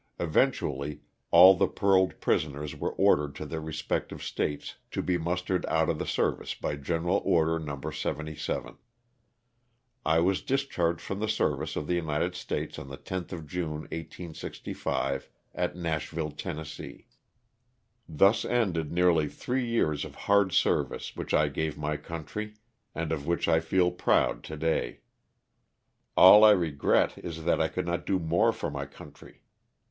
Eventually, all the paroled prisoners were ordered to their respect ive States to be mustered out of the service by general order No 77. I was discharged from the service of the United States on the 10th of June, 1865, at Nashville, Tenn. Thus ended nearly three years of hard service which I gave my country, and of which I feel proud today. All I regret is that I could not do more for my coun try.